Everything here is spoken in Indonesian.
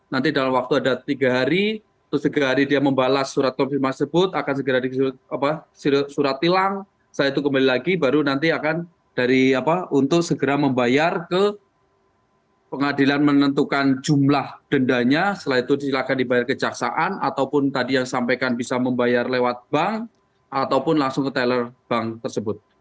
nanti dalam waktu ada tiga hari terus tiga hari dia membalas surat kompil mas sebut akan segera disuruh apa surat tilang setelah itu kembali lagi baru nanti akan dari apa untuk segera membayar ke pengadilan menentukan jumlah dendanya setelah itu silahkan dibayar ke jaksaan ataupun tadi yang sampaikan bisa membayar lewat bank ataupun langsung ke teller bank tersebut